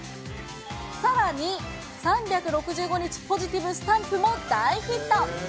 さらに、３６５日ポジティブスタンプも大ヒット。